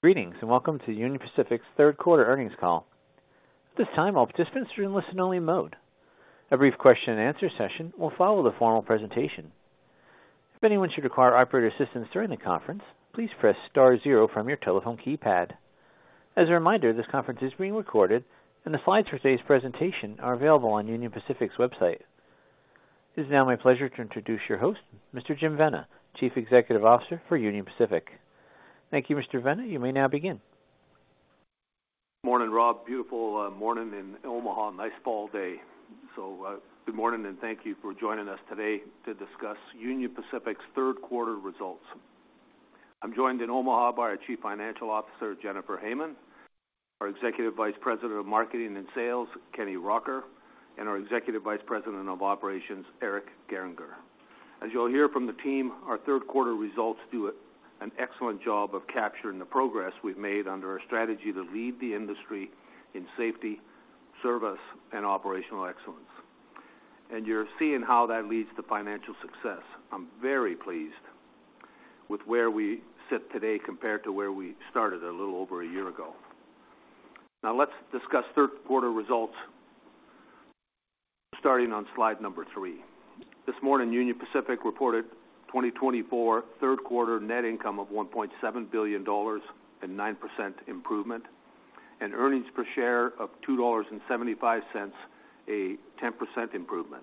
Greetings, and welcome to Union Pacific's Q3 Earnings Call. At this time, all participants are in listen-only mode. A brief question-and-answer session will follow the formal presentation. If anyone should require operator assistance during the conference, please press star zero from your telephone keypad. As a reminder, this conference is being recorded, and the slides for today's presentation are available on Union Pacific's website. It is now my pleasure to introduce your host, Mr. Jim Vena, Chief Executive Officer for Union Pacific. Thank you, Mr. Vena. You may now begin. Morning, Rob. Beautiful morning in Omaha. Nice fall day, so good morning, and thank you for joining us today to discuss Union Pacific's Q3 results. I'm joined in Omaha by our Chief Financial Officer, Jennifer Hamann, our Executive Vice President of Marketing and Sales, Kenny Rocker, and our Executive Vice President of Operations, Eric Gehringer. As you'll hear from the team, our Q3 results do an excellent job of capturing the progress we've made under our strategy to lead the industry in safety, service, and operational excellence, and you're seeing how that leads to financial success. I'm very pleased with where we sit today compared to where we started a little over a year ago. Now let's discuss Q3 results, starting on slide number three. This morning, Union Pacific reported 2024 Q3 net income of $1.7 billion and 9% improvement, and earnings per share of $2.75, a 10% improvement.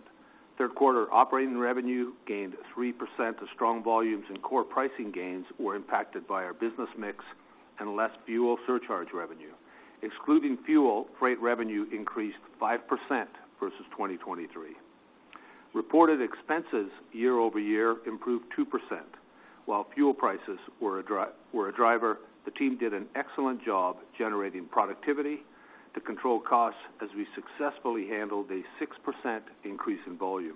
Q3 operating revenue gained 3% as strong volumes and core pricing gains were impacted by our business mix and less fuel surcharge revenue. Excluding fuel, freight revenue increased 5% versus 2023. Reported expenses year over year improved 2%. While fuel prices were a driver, the team did an excellent job generating productivity to control costs as we successfully handled a 6% increase in volume.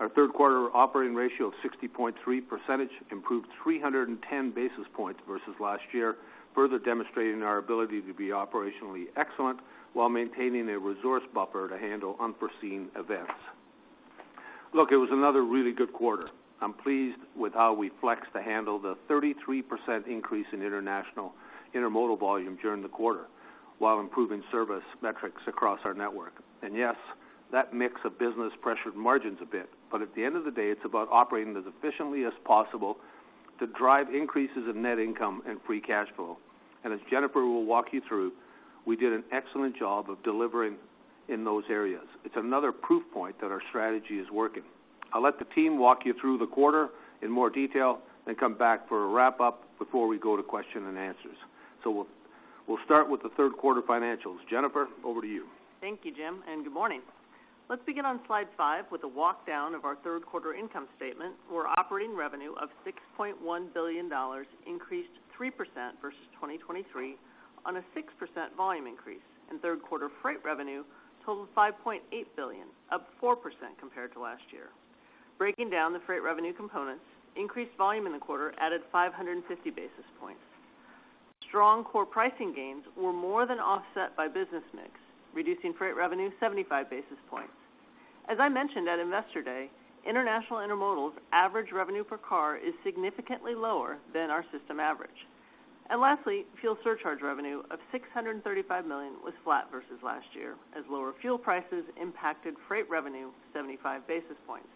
Our Q3 operating ratio of 60.3% improved 310 basis points versus last year, further demonstrating our ability to be operationally excellent while maintaining a resource buffer to handle unforeseen events. Look, it was another really good quarter. I'm pleased with how we flexed to handle the 33% increase in international intermodal volume during the quarter, while improving service metrics across our network. And yes, that mix of business pressured margins a bit, but at the end of the day, it's about operating as efficiently as possible to drive increases in net income and free cash flow. And as Jennifer will walk you through, we did an excellent job of delivering in those areas. It's another proof point that our strategy is working. I'll let the team walk you through the quarter in more detail, then come back for a wrap-up before we go to question and answers. So we'll start with the Q3 financials. Jennifer, over to you. Thank you, Jim, and good morning. Let's begin on slide five with a walk-down of our Q3 income statement, where operating revenue of $6.1 billion increased 3% versus 2023 on a 6% volume increase. And Q3 freight revenue totaled $5.8 billion, up 4% compared to last year. Breaking down the freight revenue components, increased volume in the quarter added 550 basis points. Strong core pricing gains were more than offset by business mix, reducing freight revenue 75 basis points. As I mentioned at Investor Day, international intermodal's average revenue per car is significantly lower than our system average. And lastly, fuel surcharge revenue of $635 million was flat versus last year, as lower fuel prices impacted freight revenue 75 basis points.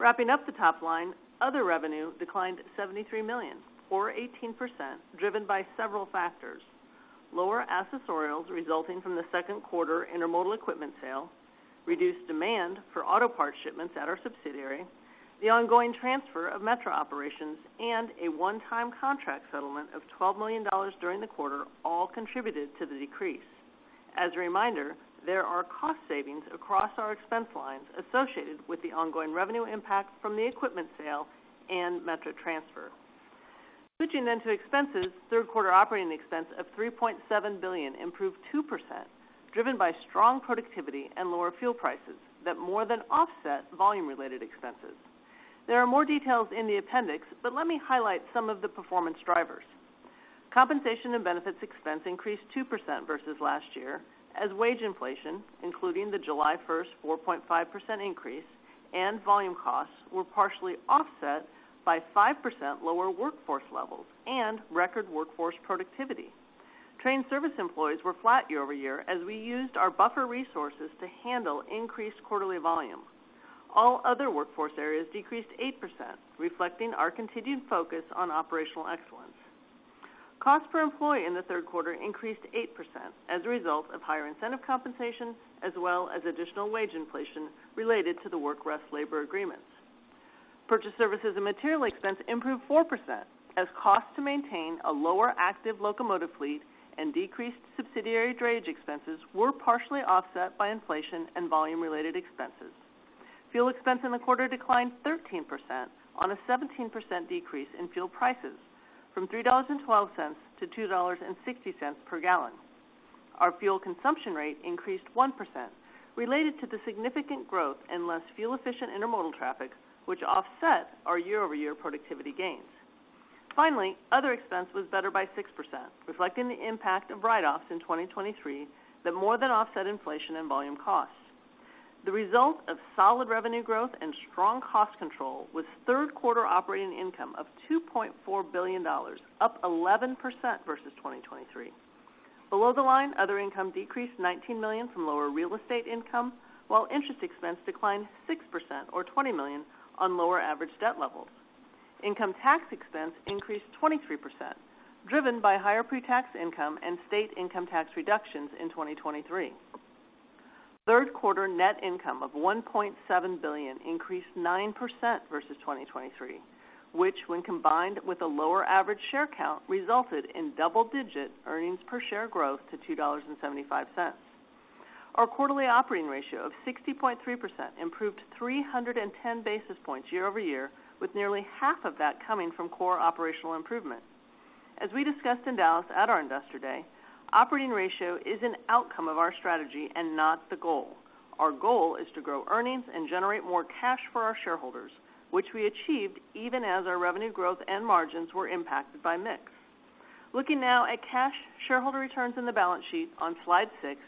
Wrapping up the top line, other revenue declined $73 million, or 18%, driven by several factors. Lower accessorials, resulting from the Q2 intermodal equipment sale, reduced demand for auto parts shipments at our subsidiary, the ongoing transfer of metro operations, and a one-time contract settlement of $12 million during the quarter all contributed to the decrease. As a reminder, there are cost savings across our expense lines associated with the ongoing revenue impacts from the equipment sale and metro transfer. Switching then to expenses, Q3 operating expense of $3.7 billion improved 2%, driven by strong productivity and lower fuel prices that more than offset volume-related expenses. There are more details in the appendix, but let me highlight some of the performance drivers. Compensation and benefits expense increased 2% versus last year, as wage inflation, including the July first, 4.5% increase and volume costs, were partially offset by 5% lower workforce levels and record workforce productivity. Train service employees were flat year over year, as we used our buffer resources to handle increased quarterly volume. All other workforce areas decreased 8%, reflecting our continued focus on operational excellence. Cost per employee in the Q3 increased 8% as a result of higher incentive compensation, as well as additional wage inflation related to the work-rest labor agreements. Purchase services and material expense improved 4%, as costs to maintain a lower active locomotive fleet and decreased subsidiary drayage expenses were partially offset by inflation and volume-related expenses. Fuel expense in the quarter declined 13% on a 17% decrease in fuel prices from $3.12 to $2.60 per gallon. Our fuel consumption rate increased 1%, related to the significant growth in less fuel-efficient intermodal traffic, which offset our year-over-year productivity gains. Finally, other expense was better by 6%, reflecting the impact of write-offs in 2023 that more than offset inflation and volume costs. The result of solid revenue growth and strong cost control, with Q3 operating income of $2.4 billion, up 11% versus 2023. Below the line, other income decreased $19 million from lower real estate income, while interest expense declined 6% or $20 million on lower average debt levels. Income tax expense increased 23%, driven by higher pretax income and state income tax reductions in 2023. Q3 net income of $1.7 billion increased 9% versus 2023, which, when combined with a lower average share count, resulted in double-digit earnings per share growth to $2.75. Our quarterly operating ratio of 60.3% improved 310 basis points year over year, with nearly half of that coming from core operational improvement. As we discussed in Dallas at our Investor Day, operating ratio is an outcome of our strategy and not the goal. Our goal is to grow earnings and generate more cash for our shareholders, which we achieved even as our revenue growth and margins were impacted by mix. Looking now at cash shareholder returns in the balance sheet on slide six,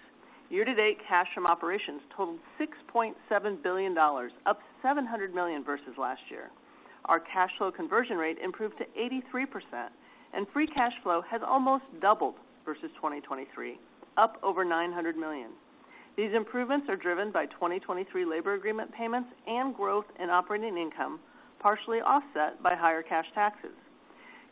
year-to-date cash from operations totaled $6.7 billion, up $700 million versus last year. Our cash flow conversion rate improved to 83%, and free cash flow has almost doubled versus 2023, up over $900 million. These improvements are driven by 2023 labor agreement payments and growth in operating income, partially offset by higher cash taxes.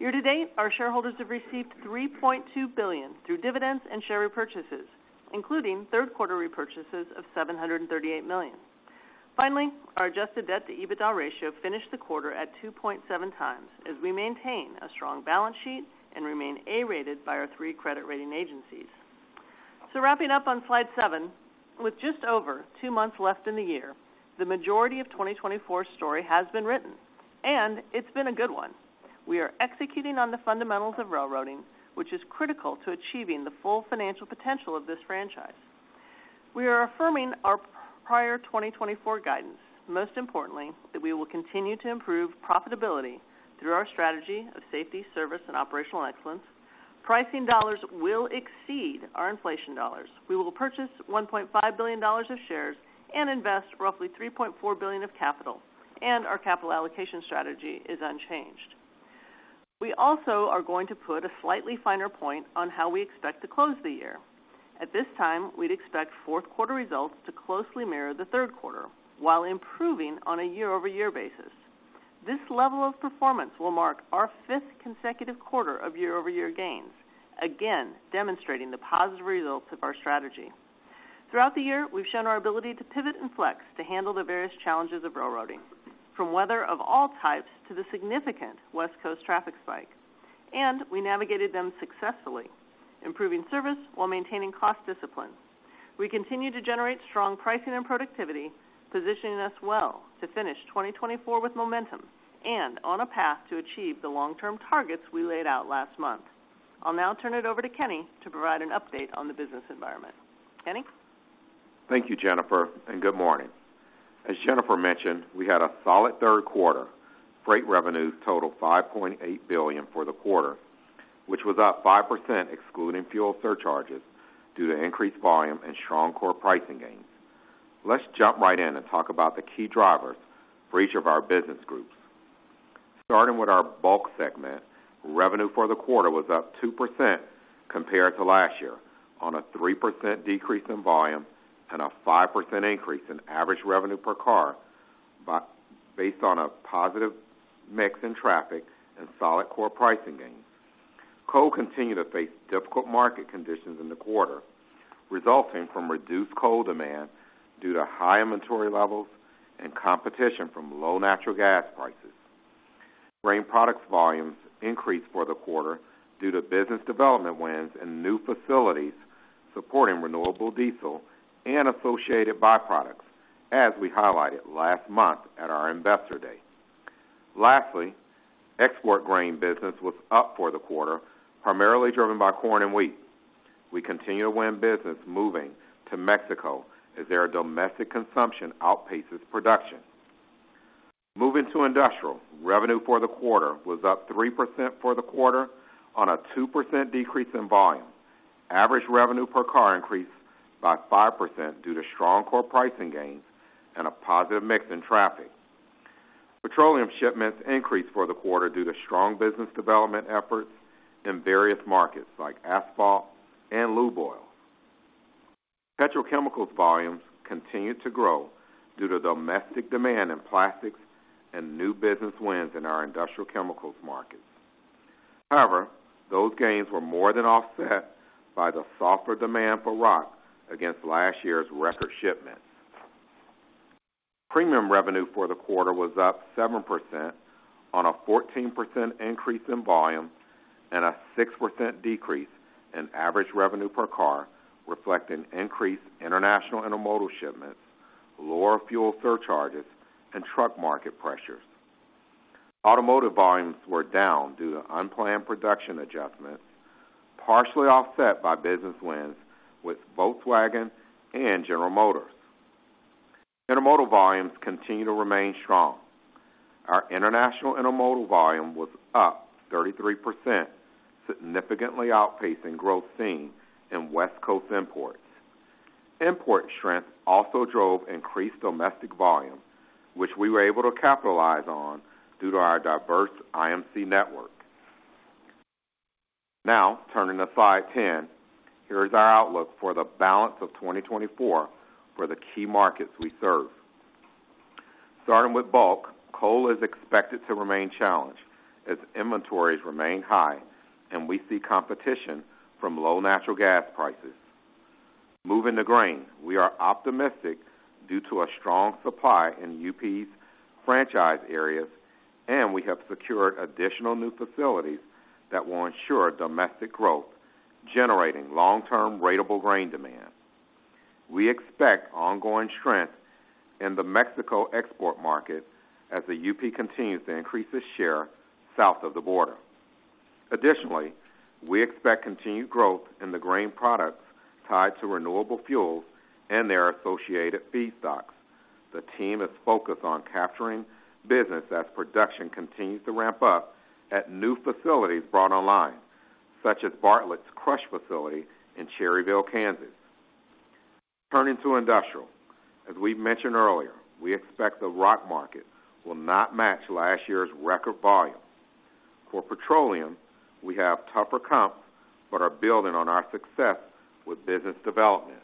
Year to date, our shareholders have received $3.2 billion through dividends and share repurchases, including Q3 repurchases of $738 million. Finally, our Adjusted Debt to EBITDA ratio finished the quarter at 2.7 times, as we maintain a strong balance sheet and remain A-rated by our three credit rating agencies. Wrapping up on slide seven, with just over two months left in the year, the majority of 2024's story has been written, and it's been a good one. We are executing on the fundamentals of railroading, which is critical to achieving the full financial potential of this franchise. We are affirming our prior 2024 guidance, most importantly, that we will continue to improve profitability through our strategy of safety, service, and operational excellence. Pricing dollars will exceed our inflation dollars. We will purchase $1.5 billion of shares and invest roughly $3.4 billion of capital, and our capital allocation strategy is unchanged. We also are going to put a slightly finer point on how we expect to close the year. At this time, we'd expect Q4 results to closely mirror the Q3, while improving on a year-over-year basis. This level of performance will mark our fifth consecutive quarter of year-over-year gains, again, demonstrating the positive results of our strategy. Throughout the year, we've shown our ability to pivot and flex to handle the various challenges of railroading, from weather of all types to the significant West Coast traffic spike, and we navigated them successfully, improving service while maintaining cost discipline. We continue to generate strong pricing and productivity, positioning us well to finish twenty twenty-four with momentum and on a path to achieve the long-term targets we laid out last month. I'll now turn it over to Kenny to provide an update on the business environment. Kenny? Thank you, Jennifer, and good morning. As Jennifer mentioned, we had a solid Q3. Freight revenues totaled $5.8 billion for the quarter, which was up 5%, excluding fuel surcharges, due to increased volume and strong core pricing gains. Let's jump right in and talk about the key drivers for each of our business groups. Starting with our bulk segment, revenue for the quarter was up 2% compared to last year on a 3% decrease in volume and a 5% increase in average revenue per car, based on a positive mix in traffic and solid core pricing gains. Coal continued to face difficult market conditions in the quarter, resulting from reduced coal demand due to high inventory levels and competition from low natural gas prices. Grain products volumes increased for the quarter due to business development wins and new facilities supporting renewable diesel and associated byproducts, as we highlighted last month at our Investor Day. Lastly, export grain business was up for the quarter, primarily driven by corn and wheat. We continue to win business moving to Mexico as their domestic consumption outpaces production. Moving to industrial, revenue for the quarter was up 3% for the quarter on a 2% decrease in volume. Average revenue per car increased by 5% due to strong core pricing gains and a positive mix in traffic. Petroleum shipments increased for the quarter due to strong business development efforts in various markets, like asphalt and lube oil. Petrochemicals volumes continued to grow due to domestic demand in plastics and new business wins in our industrial chemicals markets. However, those gains were more than offset by the softer demand for rock against last year's record shipments. Premium revenue for the quarter was up 7% on a 14% increase in volume and a 6% decrease in average revenue per car, reflecting increased international intermodal shipments, lower fuel surcharges, and truck market pressures. Automotive volumes were down due to unplanned production adjustments, partially offset by business wins with Volkswagen and General Motors. Intermodal volumes continue to remain strong. Our international intermodal volume was up 33%, significantly outpacing growth seen in West Coast imports. Import strength also drove increased domestic volume, which we were able to capitalize on due to our diverse IMC network. Now, turning to slide 10, here is our outlook for the balance of 2024 for the key markets we serve. Starting with bulk, coal is expected to remain challenged as inventories remain high, and we see competition from low natural gas prices. Moving to grain, we are optimistic due to a strong supply in UP's franchise areas, and we have secured additional new facilities that will ensure domestic growth, generating long-term ratable grain demand. We expect ongoing strength in the Mexico export market as the UP continues to increase its share south of the border. Additionally, we expect continued growth in the grain products tied to renewable fuels and their associated feedstocks. The team is focused on capturing business as production continues to ramp up at new facilities brought online, such as Bartlett's crush facility in Cherryvale, Kansas. Turning to industrial, as we've mentioned earlier, we expect the rock market will not match last year's record volume. For petroleum, we have tougher comps, but are building on our success with business development.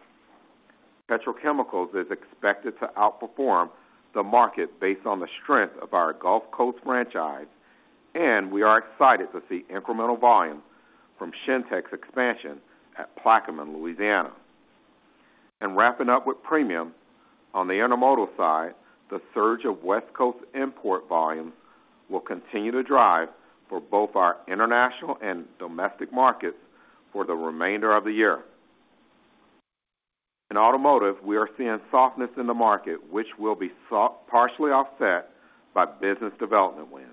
Petrochemicals is expected to outperform the market based on the strength of our Gulf Coast franchise, and we are excited to see incremental volume from Shintech's expansion at Plaquemine, Louisiana and wrapping up with premium, on the intermodal side, the surge of West Coast import volume will continue to drive for both our international and domestic markets for the remainder of the year. In automotive, we are seeing softness in the market, which will be partially offset by business development wins.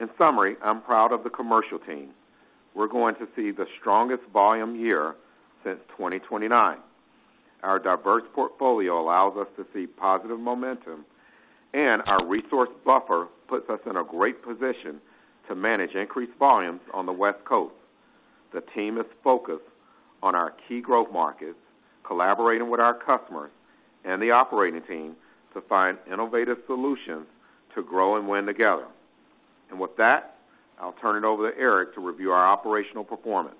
In summary, I'm proud of the commercial team. We're going to see the strongest volume year since twenty twenty-nine. Our diverse portfolio allows us to see positive momentum, and our resource buffer puts us in a great position to manage increased volumes on the West Coast. The team is focused on our key growth markets, collaborating with our customers and the operating team to find innovative solutions to grow and win together, and with that, I'll turn it over to Eric to review our operational performance.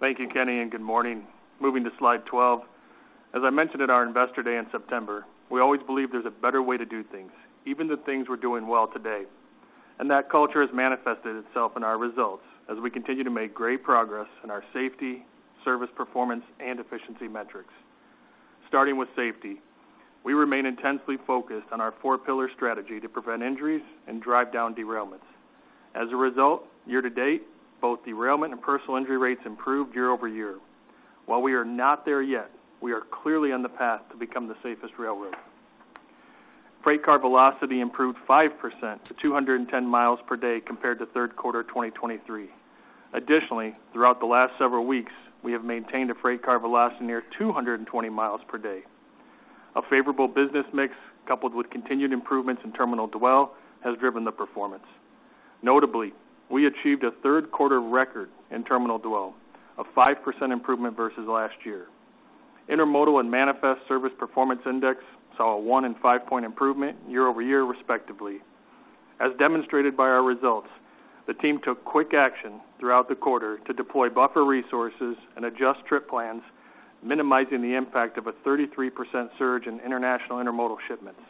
Thank you, Kenny, and good morning. Moving to slide 12, as I mentioned at our Investor Day in September, we always believe there's a better way to do things, even the things we're doing well today, and that culture has manifested itself in our results as we continue to make great progress in our safety, service, performance, and efficiency metrics. Starting with safety, we remain intensely focused on our four pillar strategy to prevent injuries and drive down derailments. As a result, year to date, both derailment and personal injury rates improved year over year. While we are not there yet, we are clearly on the path to become the safest railroad. Freight car velocity improved 5% to 210 miles per day compared to Q3 2023. Additionally, throughout the last several weeks, we have maintained a freight car velocity near 220 miles per day. A favorable business mix, coupled with continued improvements in terminal dwell, has driven the performance. Notably, we achieved a Q3 record in terminal dwell, a 5% improvement versus last year. Intermodal and manifest service performance index saw a 1.5-point improvement year over year, respectively. As demonstrated by our results, the team took quick action throughout the quarter to deploy buffer resources and adjust trip plans, minimizing the impact of a 33% surge in international intermodal shipments.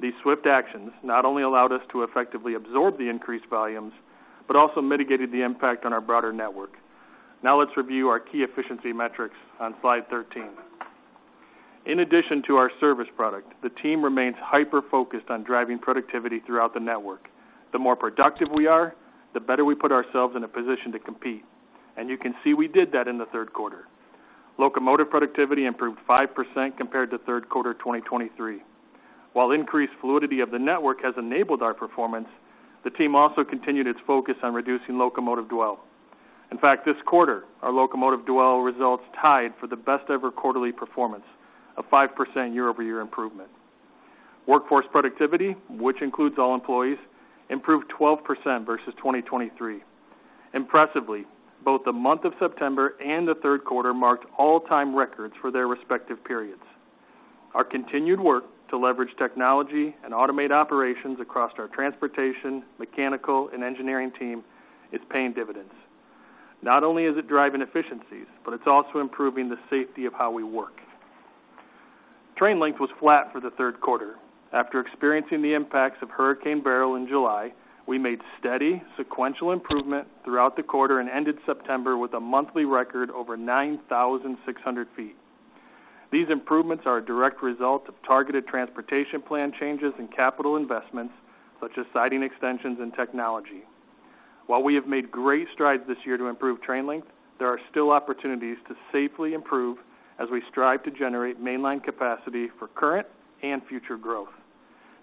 These swift actions not only allowed us to effectively absorb the increased volumes, but also mitigated the impact on our broader network. Now let's review our key efficiency metrics on slide 13. In addition to our service product, the team remains hyper-focused on driving productivity throughout the network. The more productive we are, the better we put ourselves in a position to compete, and you can see we did that in the Q3. Locomotive productivity improved 5% compared to Q3 2023. While increased fluidity of the network has enabled our performance, the team also continued its focus on reducing locomotive dwell. In fact, this quarter, our locomotive dwell results tied for the best ever quarterly performance, a 5% year-over-year improvement. Workforce productivity, which includes all employees, improved 12% versus 2023. Impressively, both the month of September and Q3 marked all-time records for their respective periods. Our continued work to leverage technology and automate operations across our transportation, mechanical, and engineering team is paying dividends. Not only is it driving efficiencies, but it's also improving the safety of how we work. Train length was flat for Q3. After experiencing the impacts of Hurricane Beryl in July, we made steady sequential improvement throughout the quarter and ended September with a monthly record over 9,600 feet. These improvements are a direct result of targeted transportation plan changes and capital investments, such as siding extensions and technology. While we have made great strides this year to improve train length, there are still opportunities to safely improve as we strive to generate mainline capacity for current and future growth.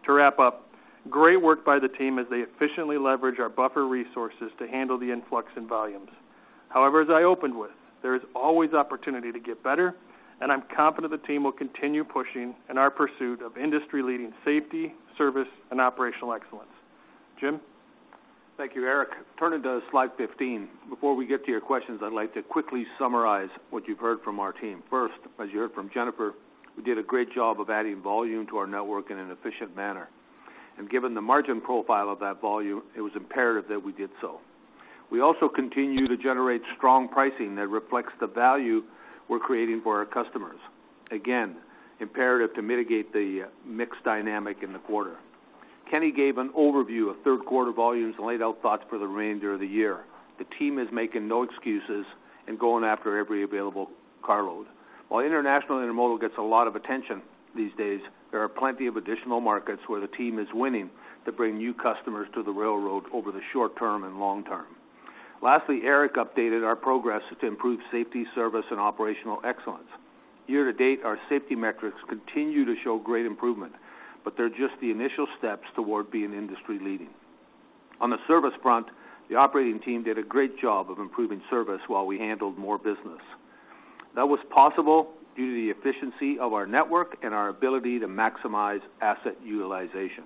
To wrap up, great work by the team as they efficiently leverage our buffer resources to handle the influx in volumes. However, as I opened with, there is always opportunity to get better, and I'm confident the team will continue pushing in our pursuit of industry-leading safety, service, and operational excellence. Jim? Thank you, Eric. Turning to slide 15, before we get to your questions, I'd like to quickly summarize what you've heard from our team. First, as you heard from Jennifer, we did a great job of adding volume to our network in an efficient manner, and given the margin profile of that volume, it was imperative that we did so. We also continue to generate strong pricing that reflects the value we're creating for our customers. Again, imperative to mitigate the mix dynamic in the quarter. Kenny gave an overview of Q3 volumes and laid out thoughts for the remainder of the year. The team is making no excuses and going after every available carload. While international intermodal gets a lot of attention these days, there are plenty of additional markets where the team is winning to bring new customers to the railroad over the short term and long term. Lastly, Eric updated our progress to improve safety, service, and operational excellence. Year to date, our safety metrics continue to show great improvement, but they're just the initial steps toward being industry-leading. On the service front, the operating team did a great job of improving service while we handled more business. That was possible due to the efficiency of our network and our ability to maximize asset utilization.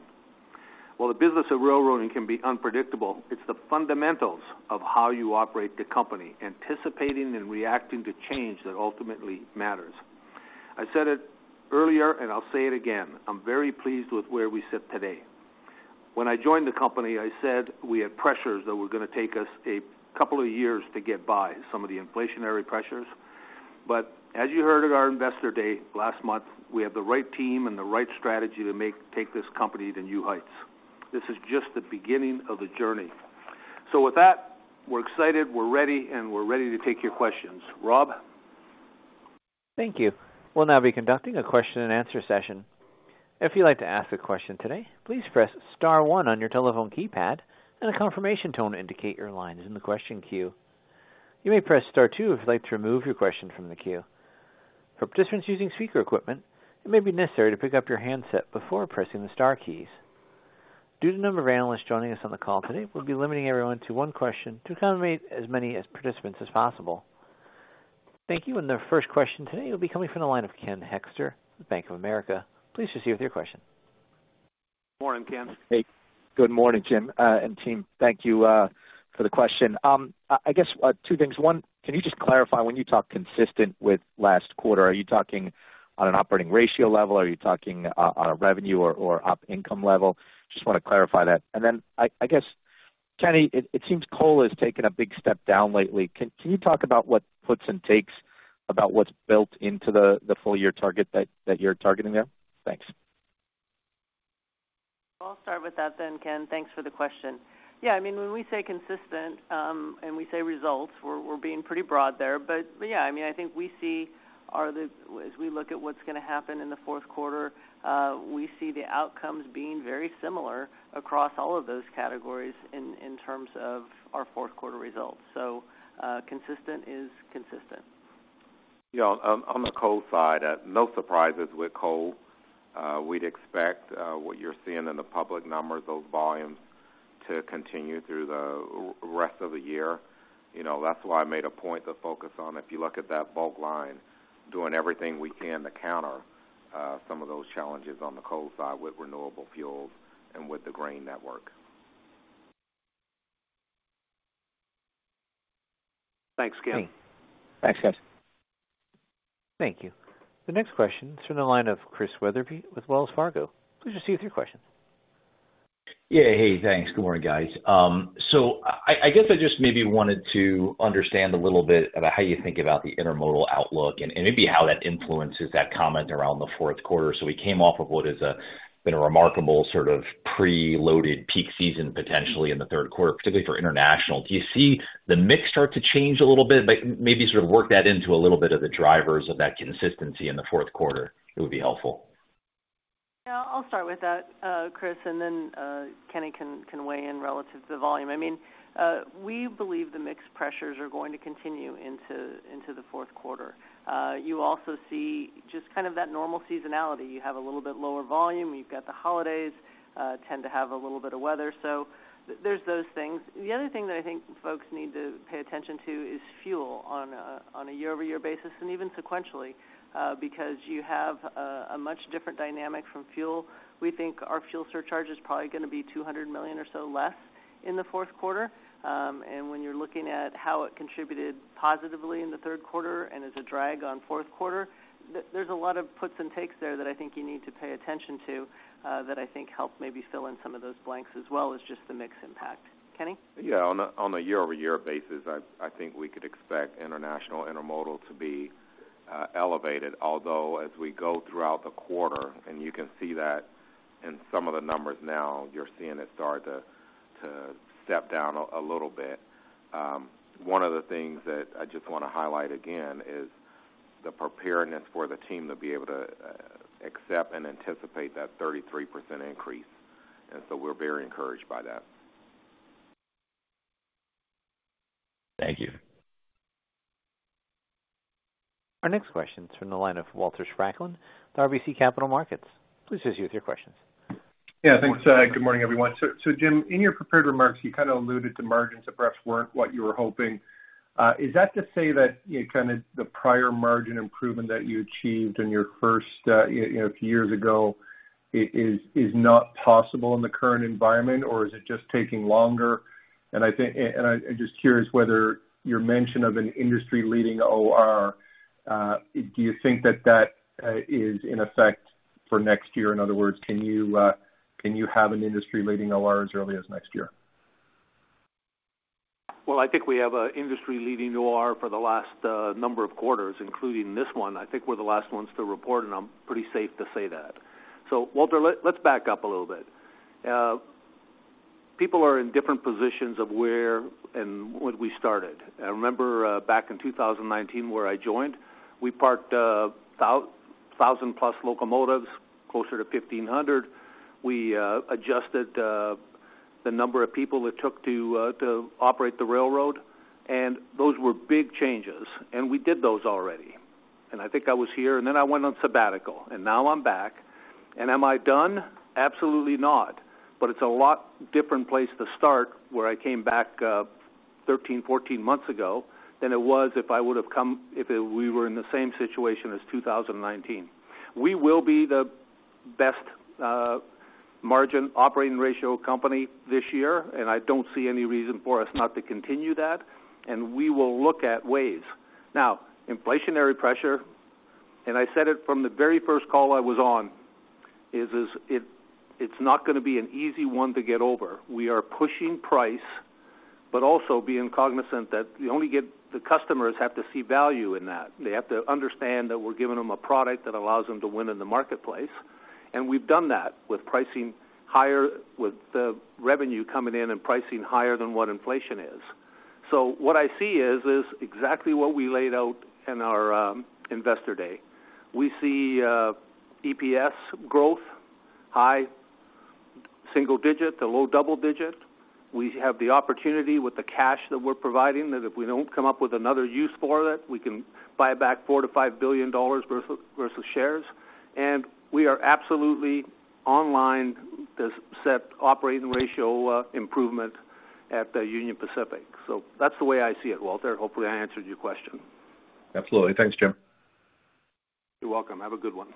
While the business of railroading can be unpredictable, it's the fundamentals of how you operate the company, anticipating and reacting to change, that ultimately matters. I said it earlier, and I'll say it again, I'm very pleased with where we sit today. When I joined the company, I said we had pressures that were gonna take us a couple of years to get by some of the inflationary pressures. But as you heard at our Investor Day last month, we have the right team and the right strategy to take this company to new heights. This is just the beginning of the journey. So with that, we're excited, we're ready, and we're ready to take your questions. Rob? Thank you. We'll now be conducting a question-and-answer session. If you'd like to ask a question today, please press star one on your telephone keypad, and a confirmation tone to indicate your line is in the question queue. You may press star two if you'd like to remove your question from the queue. For participants using speaker equipment, it may be necessary to pick up your handset before pressing the star keys. Due to the number of analysts joining us on the call today, we'll be limiting everyone to one question to accommodate as many participants as possible. Thank you. And the first question today will be coming from the line of Ken Hoexter, Bank of America. Please proceed with your question. Morning, Ken. Hey, good morning, Jim, and team. Thank you for the question. I guess two things. One, can you just clarify, when you talk consistent with last quarter, are you talking on an operating ratio level? Are you talking on a revenue or op income level? Just wanna clarify that. And then I guess, Kenny, it seems coal has taken a big step down lately. Can you talk about what puts and takes about what's built into the full year target that you're targeting there? Thanks. I'll start with that then, Ken. Thanks for the question. Yeah, I mean, when we say consistent, and we say results, we're being pretty broad there. But yeah, I mean, I think we see as we look at what's gonna happen in Q4, we see the outcomes being very similar across all of those categories in terms of our Q4 results. So, consistent is consistent. You know, on the coal side, no surprises with coal. We'd expect what you're seeing in the public numbers, those volumes, to continue through the rest of the year. You know, that's why I made a point to focus on, if you look at that bulk line, doing everything we can to counter some of those challenges on the coal side with renewable fuels and with the grain network. Thanks, Ken. Thanks, guys. Thank you. The next question is from the line of Chris Wetherbee with Wells Fargo. Please proceed with your question. Yeah. Hey, thanks. Good morning, guys. So I guess I just maybe wanted to understand a little bit about how you think about the intermodal outlook and maybe how that influences that comment around the Q4. So we came off of what has been a remarkable sort of preloaded peak season, potentially in the Q3, particularly for international. Do you see the mix start to change a little bit? But maybe sort of work that into a little bit of the drivers of that consistency in the Q4. It would be helpful. Yeah, I'll start with that, Chris, and then, Kenny can weigh in relative to volume. I mean, we believe the mix pressures are going to continue into the Q4. You also see just kind of that normal seasonality. You have a little bit lower volume, you've got the holidays, tend to have a little bit of weather, so there's those things. The other thing that I think folks need to pay attention to is fuel on a year-over-year basis, and even sequentially, because you have a much different dynamic from fuel. We think our fuel surcharge is probably gonna be $200 million or so less in the Q4. And when you're looking at how it contributed positively in the Q3 and as a drag on Q4, there's a lot of puts and takes there that I think you need to pay attention to, that I think help maybe fill in some of those blanks as well as just the mix impact. Kenny? Yeah, on a year-over-year basis, I think we could expect international intermodal to be elevated. Although, as we go throughout the quarter, and you can see that in some of the numbers now, you're seeing it start to step down a little bit. One of the things that I just wanna highlight again is the preparedness for the team to be able to accept and anticipate that 33% increase, and so we're very encouraged by that. Thank you. Our next question is from the line of Walter Spracklin with RBC Capital Markets. Please proceed with your questions. Yeah, thanks. Good morning, everyone. So, Jim, in your prepared remarks, you kind of alluded to margins that perhaps weren't what you were hoping. Is that to say that, you know, kind of the prior margin improvement that you achieved in your first, you know, few years ago is not possible in the current environment, or is it just taking longer? And I think, and I'm just curious whether your mention of an industry-leading OR, do you think that is in effect for next year? In other words, can you have an industry-leading OR as early as next year? I think we have an industry-leading OR for the last number of quarters, including this one. I think we're the last ones to report, and I'm pretty safe to say that. Walter, let's back up a little bit. People are in different positions of where and when we started. I remember back in two thousand and nineteen, where I joined, we parked thousand-plus locomotives, closer to fifteen hundred. We adjusted the number of people it took to operate the railroad, and those were big changes, and we did those already. I think I was here, and then I went on sabbatical, and now I'm back. Am I done? Absolutely not. But it's a lot different place to start where I came back 13, 14 months ago than it was if we were in the same situation as 2019. We will be the best margin operating ratio company this year, and I don't see any reason for us not to continue that, and we will look at ways. Now, inflationary pressure, and I said it from the very first call I was on, is. It's not gonna be an easy one to get over. We are pushing price, but also being cognizant that the customers have to see value in that. They have to understand that we're giving them a product that allows them to win in the marketplace, and we've done that with pricing higher, with the revenue coming in and pricing higher than what inflation is. So what I see is exactly what we laid out in our Investor Day. We see EPS growth, high single digit to low double digit. We have the opportunity with the cash that we're providing, that if we don't come up with another use for it, we can buy back $4 -5 billion worth of shares. And we are absolutely online to set operating ratio improvement at the Union Pacific. So that's the way I see it, Walter. Hopefully, I answered your question. Absolutely. Thanks, Jim. You're welcome. Have a good one.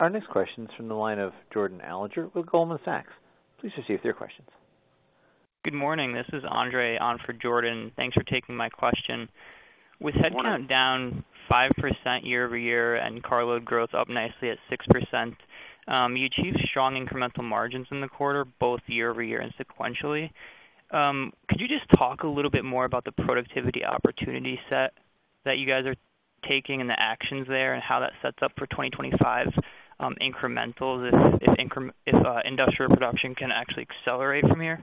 Our next question is from the line of Jordan Alliger with Goldman Sachs. Please proceed with your questions. Good morning. This is Andre on for Jordan. Thanks for taking my question. With headcount down 5% year over year and cargo growth up nicely at 6%, you achieved strong incremental margins in the quarter, both year over year and sequentially. Could you just talk a little bit more about the productivity opportunity set that you guys are taking and the actions there and how that sets up for 2025, incrementals, if industrial production can actually accelerate from here?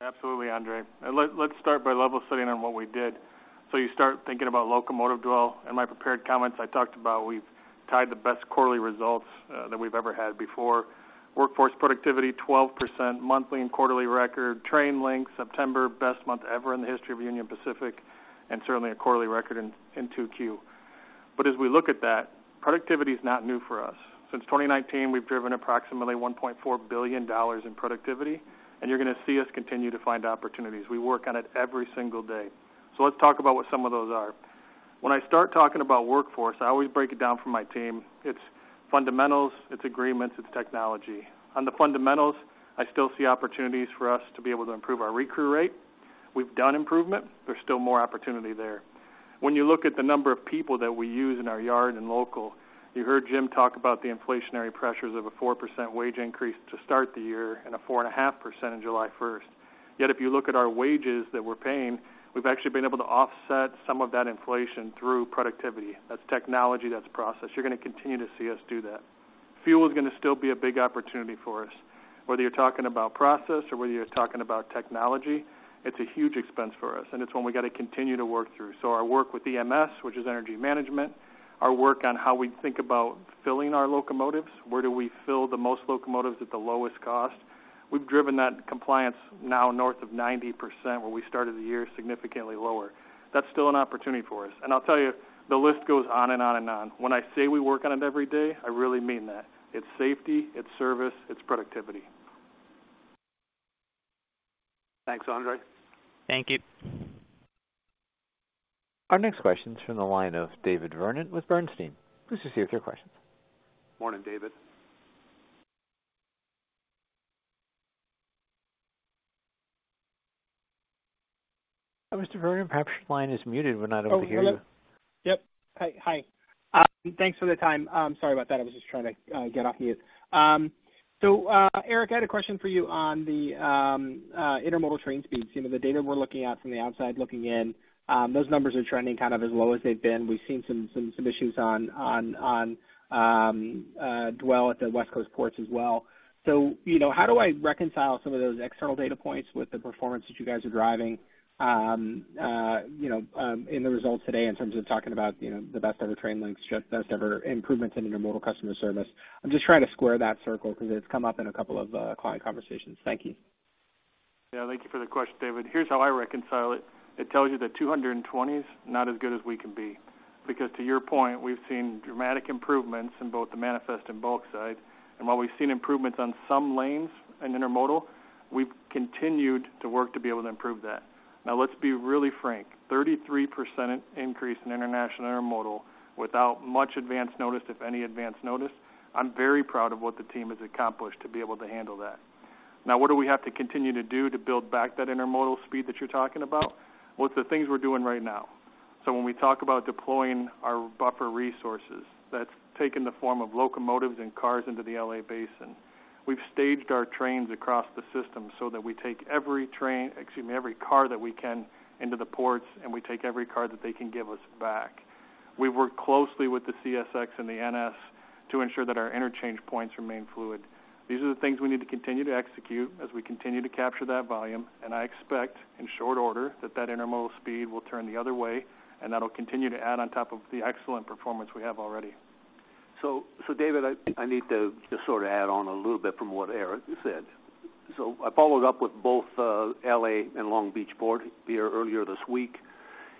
Absolutely, Andre. And let's start by level setting on what we did. So you start thinking about locomotive dwell. In my prepared comments, I talked about we've tied the best quarterly results that we've ever had before. Workforce productivity, 12%, monthly and quarterly record, train length, September, best month ever in the history of Union Pacific, and certainly a quarterly record in Q2. But as we look at that, productivity is not new for us. Since 2019, we've driven approximately $1.4 billion in productivity, and you're gonna see us continue to find opportunities. We work on it every single day. So let's talk about what some of those are. When I start talking about workforce, I always break it down for my team. It's fundamentals, it's agreements, it's technology. On the fundamentals, I still see opportunities for us to be able to improve our recruit rate. We've done improvement. There's still more opportunity there. When you look at the number of people that we use in our yard and local, you heard Jim talk about the inflationary pressures of a 4% wage increase to start the year and a 4.5% on July first. Yet, if you look at our wages that we're paying, we've actually been able to offset some of that inflation through productivity. That's technology, that's process. You're gonna continue to see us do that. Fuel is gonna still be a big opportunity for us. Whether you're talking about process or whether you're talking about technology, it's a huge expense for us, and it's one we got to continue to work through. So our work with EMS, which is energy management, our work on how we think about filling our locomotives, where do we fill the most locomotives at the lowest cost? We've driven that compliance now north of 90%, where we started the year significantly lower. That's still an opportunity for us, and I'll tell you, the list goes on and on and on. When I say we work on it every day, I really mean that. It's safety, it's service, it's productivity. Thanks, Andre. Thank you. Our next question is from the line of David Vernon with Bernstein. Please proceed with your questions. Morning, David. Mr. Vernon, perhaps your line is muted. We're not able to hear you. Oh, hello. Yep. Hi, hi. Thanks for the time. Sorry about that. I was just trying to get off mute. So, Eric, I had a question for you on the intermodal train speeds. You know, the data we're looking at from the outside looking in, those numbers are trending kind of as low as they've been. We've seen some issues on dwell at the West Coast ports as well. So, you know, how do I reconcile some of those external data points with the performance that you guys are driving, you know, in the results today in terms of talking about, you know, the best ever train links, just best ever improvements in intermodal customer service? I'm just trying to square that circle because it's come up in a couple of client conversations. Thank you. Yeah, thank you for the question, David. Here's how I reconcile it. It tells you that 220 is not as good as we can be, because to your point, we've seen dramatic improvements in both the manifest and bulk side. And while we've seen improvements on some lanes in intermodal, we've continued to work to be able to improve that. Now, let's be really frank, 33% increase in international intermodal without much advance notice, if any advance notice, I'm very proud of what the team has accomplished to be able to handle that. Now, what do we have to continue to do to build back that intermodal speed that you're talking about? Well, it's the things we're doing right now. So when we talk about deploying our buffer resources, that's taken the form of locomotives and cars into the LA Basin. We've staged our trains across the system so that we take every train, excuse me, every car that we can into the ports, and we take every car that they can give us back. We work closely with the CSX and the NS to ensure that our interchange points remain fluid. These are the things we need to continue to execute as we continue to capture that volume, and I expect in short order, that that intermodal speed will turn the other way, and that'll continue to add on top of the excellent performance we have already. So David, I need to just sort of add on a little bit from what Eric said. So I followed up with both LA and Long Beach port here earlier this week,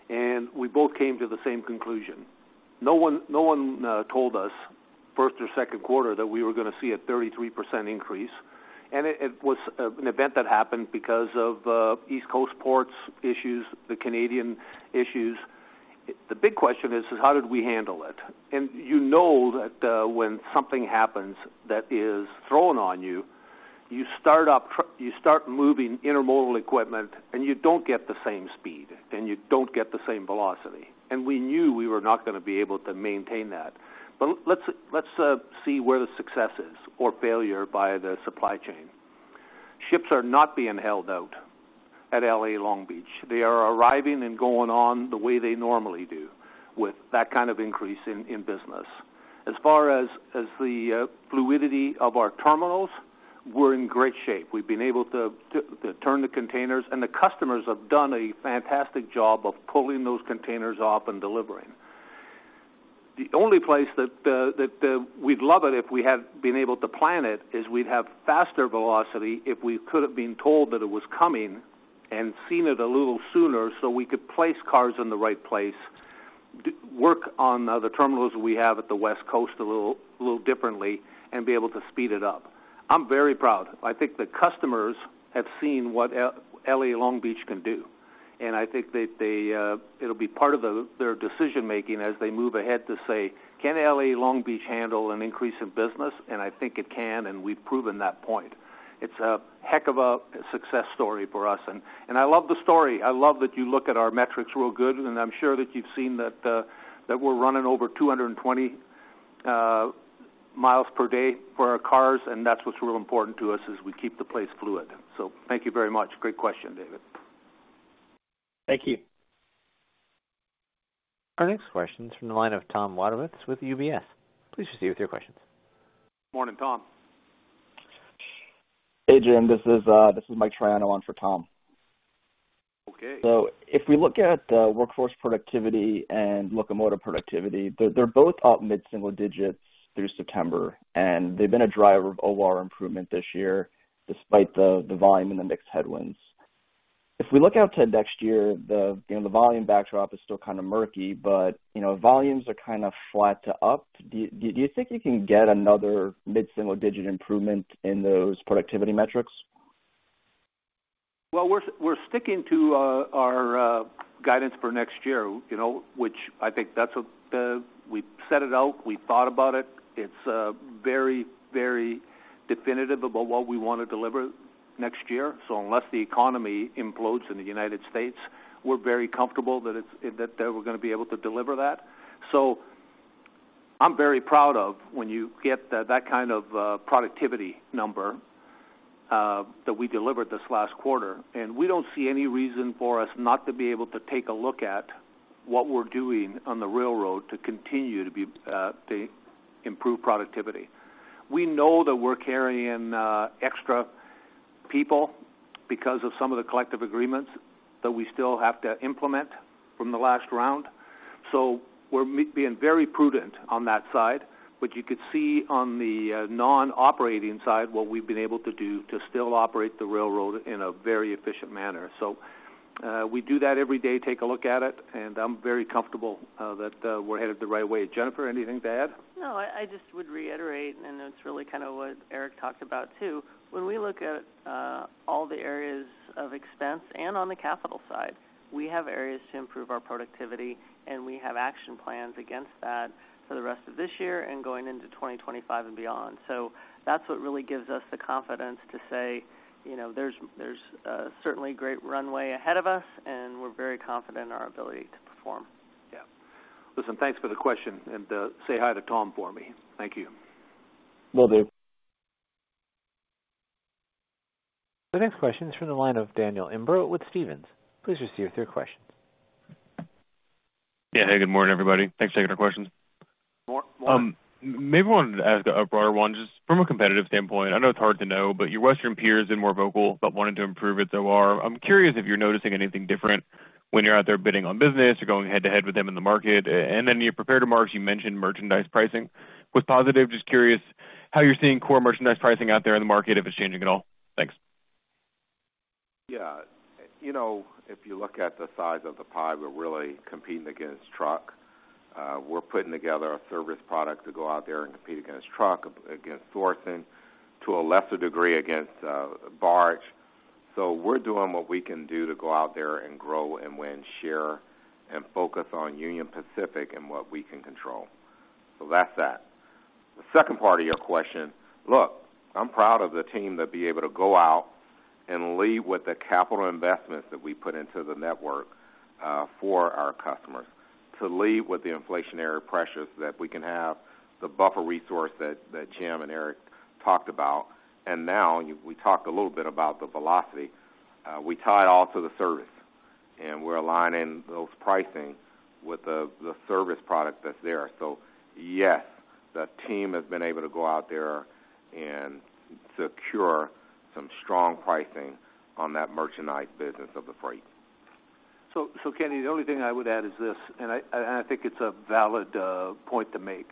and we both came to the same conclusion. No one told us first or Q2 that we were gonna see a 33% increase, and it was an event that happened because of East Coast ports issues, the Canadian issues. The big question is, how did we handle it? And you know that when something happens that is thrown on you, you start moving intermodal equipment, and you don't get the same speed, and you don't get the same velocity, and we knew we were not gonna be able to maintain that. But let's see where the success is or failure by the supply chain. Ships are not being held out at LA Long Beach. They are arriving and going on the way they normally do with that kind of increase in business. As far as the fluidity of our terminals, we're in great shape. We've been able to turn the containers, and the customers have done a fantastic job of pulling those containers off and delivering. The only place that we'd love it if we had been able to plan it is we'd have faster velocity if we could have been told that it was coming and seen it a little sooner, so we could place cars in the right place, work on the terminals we have at the West Coast a little differently and be able to speed it up. I'm very proud. I think the customers have seen what LA Long Beach can do, and I think that they, it'll be part of their decision-making as they move ahead to say, "Can LA Long Beach handle an increase in business?" I think it can, and we've proven that point. It's a heck of a success story for us, and I love the story. I love that you look at our metrics real good, and I'm sure that you've seen that that we're running over two hundred and twenty miles per day for our cars, and that's what's real important to us, is we keep the place fluid. So thank you very much. Great question, David. Thank you. Our next question is from the line of Tom Wadewitz with UBS. Please proceed with your questions. Morning, Tom. Hey, Jim, this is, this is Mike Triano on for Tom. Okay. So if we look at the workforce productivity and locomotive productivity, they're both up mid-single digits through September, and they've been a driver of OR improvement this year, despite the volume and the mixed headwinds. If we look out to next year, you know, the volume backdrop is still kind of murky, but you know, volumes are kind of flat to up. Do you think you can get another mid-single digit improvement in those productivity metrics? We're sticking to our guidance for next year, you know, which I think that's what we set it out, we thought about it. It's very, very definitive about what we want to deliver next year. So unless the economy implodes in the United States, we're very comfortable that it's that we're gonna be able to deliver that. So I'm very proud of when you get that kind of productivity number that we delivered this last quarter, and we don't see any reason for us not to be able to take a look at what we're doing on the railroad to continue to improve productivity. We know that we're carrying extra people because of some of the collective agreements that we still have to implement from the last round, so we're being very prudent on that side. But you could see on the non-operating side, what we've been able to do to still operate the railroad in a very efficient manner. So we do that every day, take a look at it, and I'm very comfortable that we're headed the right way. Jennifer, anything to add? No, I just would reiterate, and it's really kind of what Eric talked about, too. When we look at all the areas of expense and on the capital side, we have areas to improve our productivity, and we have action plans against that for the rest of this year and going into 2025 and beyond. So that's what really gives us the confidence to say, you know, there's certainly great runway ahead of us, and we're very confident in our ability to perform. Yeah. Listen, thanks for the question, and say hi to Tom for me. Thank you. Will do. The next question is from the line of Daniel Imbro with Stephens. Please proceed with your question. Yeah. Hey, good morning, everybody. Thanks for taking our questions. Morning. Maybe wanted to ask a broader one, just from a competitive standpoint. I know it's hard to know, but your Western peers have been more vocal about wanting to improve it, though they are. I'm curious if you're noticing anything different when you're out there bidding on business or going head-to-head with them in the market. And then, in your prepared remarks, you mentioned merchandise pricing was positive. Just curious how you're seeing core merchandise pricing out there in the market, if it's changing at all? Thanks. Yeah, you know, if you look at the size of the pie, we're really competing against truck. We're putting together a service product to go out there and compete against truck, against sourcing, to a lesser degree, against barge. So we're doing what we can do to go out there and grow and win share and focus on Union Pacific and what we can control. So that's that. The second part of your question, look, I'm proud of the team to be able to go out and lead with the capital investments that we put into the network for our customers, to lead with the inflationary pressures, that we can have the buffer resource that Jim and Eric talked about. And now, we talked a little bit about the velocity. We tie it all to the service, and we're aligning those pricing with the service product that's there. So yes, the team has been able to go out there and secure some strong pricing on that merchandise business of the freight. Kenny, the only thing I would add is this, and I think it's a valid point to make.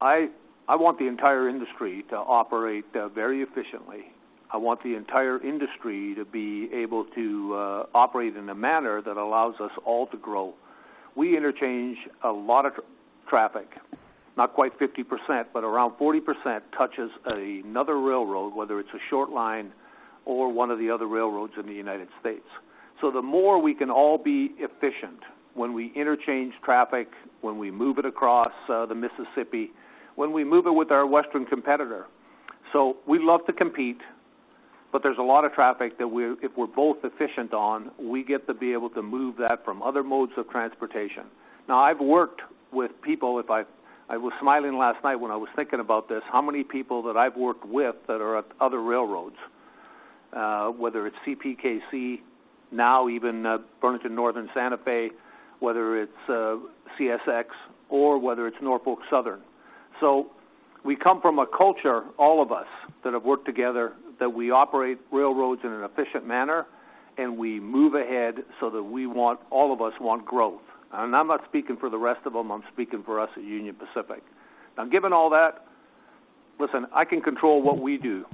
I want the entire industry to operate very efficiently. I want the entire industry to be able to operate in a manner that allows us all to grow. We interchange a lot of traffic. Not quite 50%, but around 40% touches another railroad, whether it's a short line or one of the other railroads in the United States. So the more we can all be efficient when we interchange traffic, when we move it across the Mississippi, when we move it with our Western competitor. So we love to compete, but there's a lot of traffic that we, if we're both efficient on, we get to be able to move that from other modes of transportation. Now, I've worked with people, I was smiling last night when I was thinking about this, how many people that I've worked with that are at other railroads, whether it's CPKC, now even, Burlington Northern Santa Fe, whether it's, CSX or whether it's Norfolk Southern, so we come from a culture, all of us, that have worked together, that we operate railroads in an efficient manner, and we move ahead so that we want-- all of us want growth, and I'm not speaking for the rest of them, I'm speaking for us at Union Pacific. Now, given all that, listen, I can control what we do,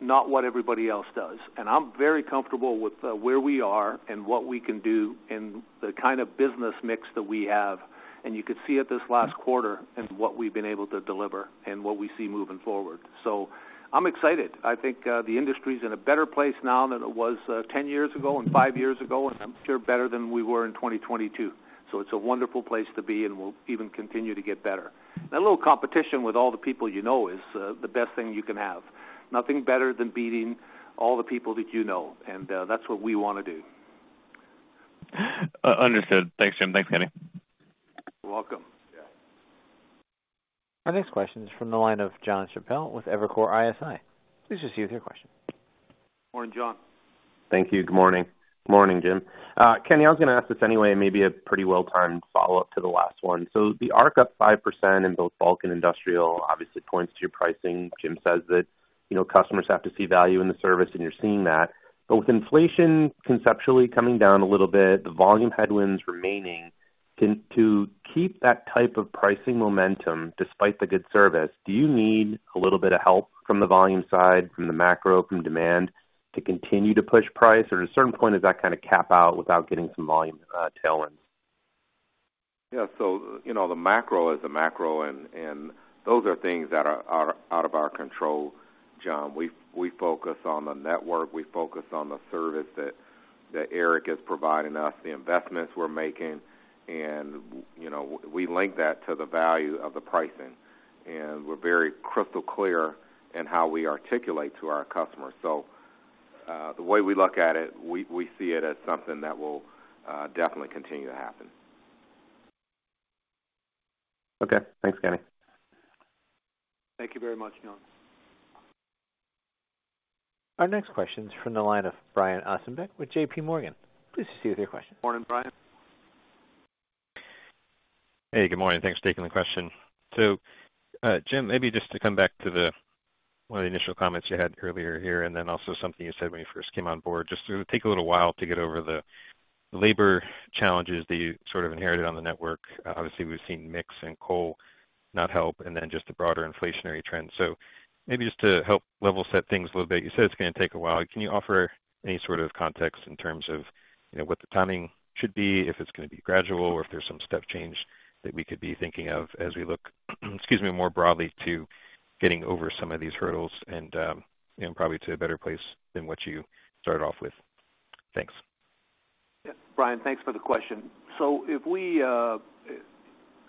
not what everybody else does, and I'm very comfortable with, where we are and what we can do and the kind of business mix that we have. And you could see at this last quarter and what we've been able to deliver and what we see moving forward. So I'm excited. I think, the industry's in a better place now than it was, ten years ago and five years ago, and I'm sure better than we were in 2022. So it's a wonderful place to be, and we'll even continue to get better. And a little competition with all the people you know is, the best thing you can have. Nothing better than beating all the people that you know, and, that's what we wanna do. Understood. Thanks, Jim. Thanks, Kenny. You're welcome. Yeah. Our next question is from the line of Jon Chappell with Evercore ISI. Please just use your question. Morning, John. Thank you. Good morning. Morning, Jim. Kenny, I was going to ask this anyway, it may be a pretty well-timed follow-up to the last one. So the ARC up 5% in both bulk and industrial, obviously points to your pricing. Jim says that, you know, customers have to see value in the service, and you're seeing that. But with inflation conceptually coming down a little bit, the volume headwinds remaining, to keep that type of pricing momentum despite the good service, do you need a little bit of help from the volume side, from the macro, from demand, to continue to push price? Or at a certain point, does that kind of cap out without getting some volume tailwinds? Yeah, so you know, the macro is the macro, and those are things that are out of our control, John. We focus on the network, we focus on the service that Eric is providing us, the investments we're making, and, you know, we link that to the value of the pricing, and we're very crystal clear in how we articulate to our customers. So, the way we look at it, we see it as something that will definitely continue to happen. Okay. Thanks, Kenny. Thank you very much, John. Our next question is from the line of Brian Ossenbeck with J.P. Morgan. Please proceed with your question. Morning, Brian. Hey, good morning. Thanks for taking the question. So, Jim, maybe just to come back to the, one of the initial comments you had earlier here, and then also something you said when you first came on board, just to take a little while to get over the labor challenges that you sort of inherited on the network. Obviously, we've seen mix and coal not help, and then just the broader inflationary trends. So maybe just to help level set things a little bit, you said it's going to take a while. Can you offer any sort of context in terms of, you know, what the timing should be, if it's going to be gradual, or if there's some step change that we could be thinking of as we look, excuse me, more broadly to getting over some of these hurdles and, and probably to a better place than what you started off with? Thanks. Yeah, Brian, thanks for the question. So if we, I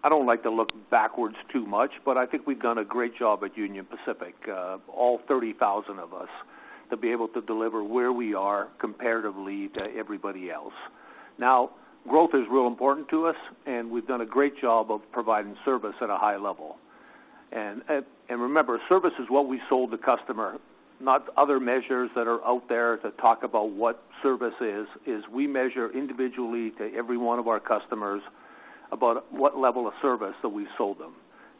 don't like to look backwards too much, but I think we've done a great job at Union Pacific, all 30,000 of us, to be able to deliver where we are comparatively to everybody else. Now, growth is real important to us, and we've done a great job of providing service at a high level. And remember, service is what we sold the customer, not other measures that are out there to talk about what service is we measure individually to every one of our customers about what level of service that we sold them.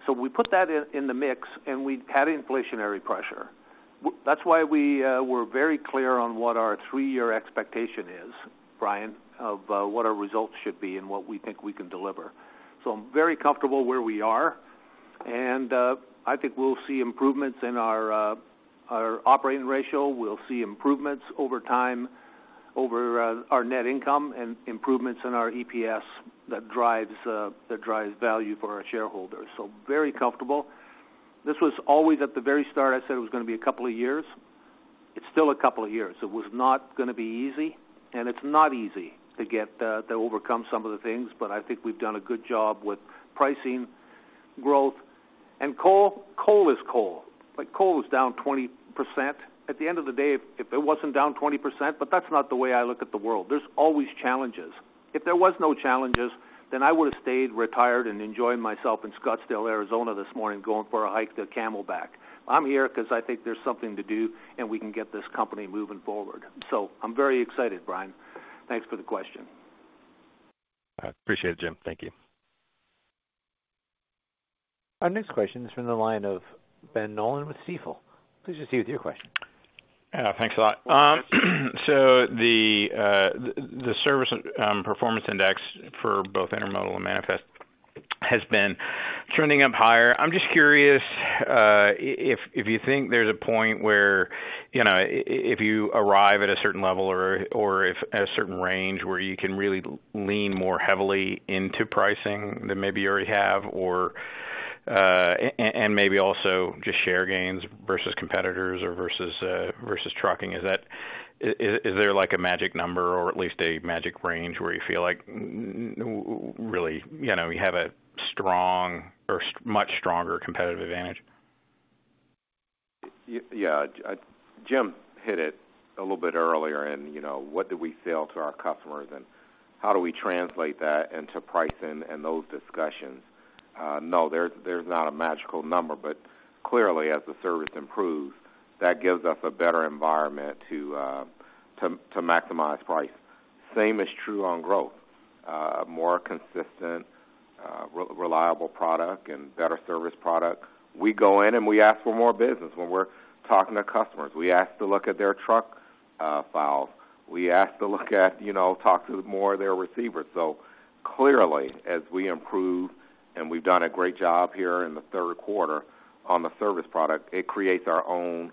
So we put that in the mix, and we've had inflationary pressure. That's why we, we're very clear on what our three-year expectation is, Brian, of what our results should be and what we think we can deliver. So I'm very comfortable where we are. And I think we'll see improvements in our operating ratio. We'll see improvements over time, over our net income and improvements in our EPS that drives that drives value for our shareholders. So very comfortable. This was always at the very start, I said it was going to be a couple of years. It's still a couple of years. It was not going to be easy, and it's not easy to get to overcome some of the things, but I think we've done a good job with pricing growth. And coal, coal is coal, but coal is down 20%. At the end of the day, if it wasn't down 20%, but that's not the way I look at the world. There's always challenges. If there was no challenges, then I would have stayed retired and enjoyed myself in Scottsdale, Arizona, this morning, going for a hike to Camelback. I'm here because I think there's something to do, and we can get this company moving forward. So I'm very excited, Brian. Thanks for the question. I appreciate it, Jim. Thank you. Our next question is from the line of Ben Nolan with Stifel. Please proceed with your question. Thanks a lot. So the Service Performance Index for both Intermodal and Manifest has been trending up higher. I'm just curious, if, if you think there's a point where, you know, if you arrive at a certain level or, or if at a certain range where you can really lean more heavily into pricing than maybe you already have, or, and maybe also just share gains versus competitors or versus, versus trucking. Is there, like, a magic number or at least a magic range where you feel like really, you know, you have a strong or much stronger competitive advantage? Yeah, Jim hit it a little bit earlier, and, you know, what do we sell to our customers, and how do we translate that into pricing and those discussions? No, there's not a magical number, but clearly, as the service improves, that gives us a better environment to maximize price. Same is true on growth, a more consistent, reliable product and better service product. We go in and we ask for more business when we're talking to customers. We ask to look at their truck files. We ask to look at, you know, talk to more of their receivers. So clearly, as we improve, and we've done a great job here in Q3 on the service product, it creates our own